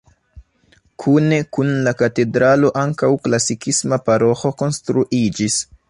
Kune kun la katedralo ankaŭ klasikisma paroĥo konstruiĝis.